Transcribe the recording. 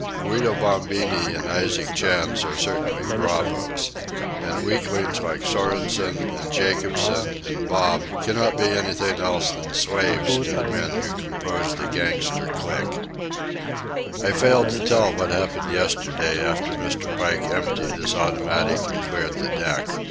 Guido Bombini and Isaac Chantz are certainly bravos. And weaklings like Sorensen, and Jacobsen, and Bob, cannot be anything else than slaves to the men who compose the gangster clique. I failed to tell what happened yesterday, after Mr. Pike emptied his automatic and cleared the deck.